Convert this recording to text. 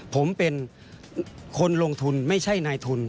ผมเป็นคนลงทุนไม่ใช่นายทุน